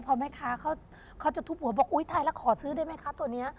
พอแม่ค้าเขาจะทุบหัวบอกอุ๊ยตายแล้วขอซื้อได้ไหมคะตัวนี้